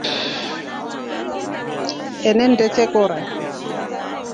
Enende chekora.